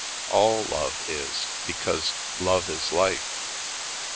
All love is, because love is life.